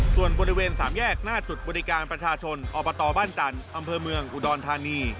ส่วนบริเวณสามแยกหน้าจุดบริการประชาชนอบตบ้านจันทร์อำเภอเมืองอุดรธานี